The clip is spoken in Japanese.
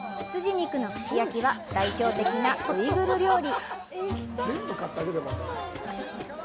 羊肉の串焼きは、代表的なウイグル料理。